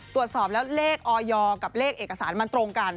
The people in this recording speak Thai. ตรวจสอบแล้วเลขออยกับเลขเอกสารมันตรงกัน